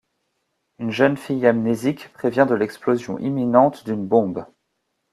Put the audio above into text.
Une jeune fille amnésique prévient de l'explosion imminente d'une bombe.